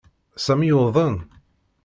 Sami yuḍen.